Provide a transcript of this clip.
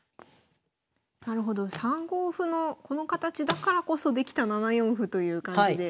なるほど３五歩のこの形だからこそできた７四歩という感じで。